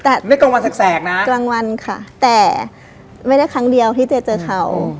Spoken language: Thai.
แต่นี่กลางวันแสกนะกลางวันค่ะแต่ไม่ได้ครั้งเดียวที่เจ๊เจอเขา